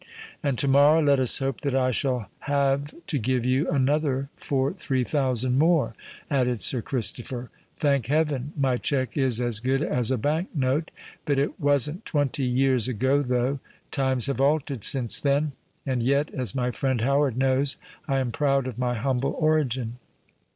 "And to morrow, let us hope that I shall have to give you another for three thousand more," added Sir Christopher. "Thank heaven! my cheque is as good as a Bank note. But it wasn't twenty years ago, though. Times have altered since then. And yet, as my friend Howard knows, I am proud of my humble origin."